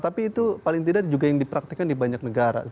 tapi itu paling tidak juga yang dipraktikan di banyak negara